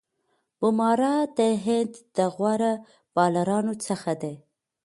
بومراه د هند د غوره بالرانو څخه دئ.